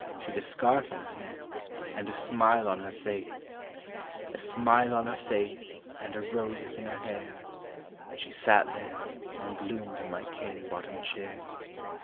She 'd a scarf on her neck, and a smile on her face ! A smile on her face, and a rose in her hair, And she sat there, and bloomed in my cane bot tomed chair.